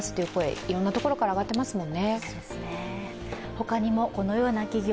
いろんなところから上がってますもんね。